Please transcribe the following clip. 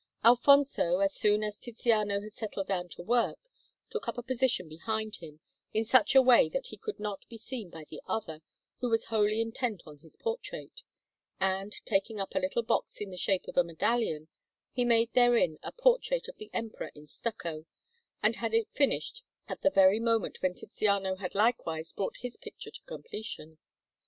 Alfonso, as soon as Tiziano had settled down to work, took up a position behind him, in such a way that he could not be seen by the other, who was wholly intent on his portrait; and, taking up a little box in the shape of a medallion, he made therein a portrait of the Emperor in stucco, and had it finished at the very moment when Tiziano had likewise brought his picture to completion.